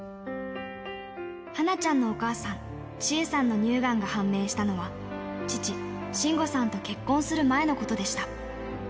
はなちゃんのお母さん、千恵さんの乳がんが判明したのは、父、信吾さんと結婚する前のことでした。